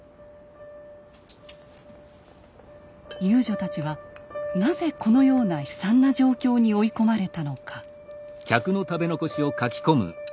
遊女たちはなぜこのような悲惨な状況に追い込まれたのか。